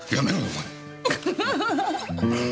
お前。